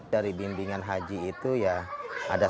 dari bimbingan haji itu ya ada salah satu